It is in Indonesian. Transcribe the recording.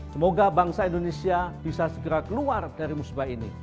semoga bangsa indonesia bisa segera keluar dari musibah ini